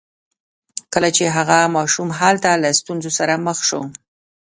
کله چې هغه ماشوم هلته له ستونزو سره مخ شو